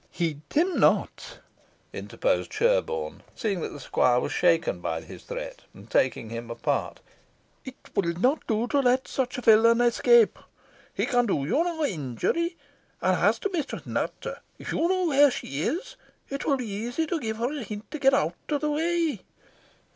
"Heed him not," interposed Sherborne, seeing that the squire was shaken by his threat, and taking him apart; "it will not do to let such a villain escape. He can do you no injury, and as to Mistress Nutter, if you know where she is, it will be easy to give her a hint to get out of the way."